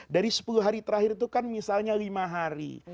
dari sepuluh hari terakhir itu kan misalnya lima hari